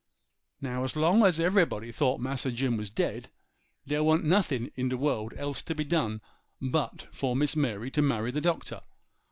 'Now as long as everybody thought Massa Jim was dead, dere wa'n't nothin' in de world else to be done but for Miss Mary to marry the Doctor.